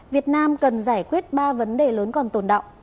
việt nam cần giải quyết ba vấn đề lớn còn tồn động